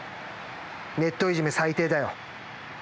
ネットいじめ最低だよ。